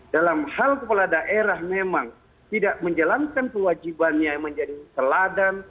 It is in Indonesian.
dalam hal kepala daerah memang tidak menjalankan kewajibannya menjadi teladan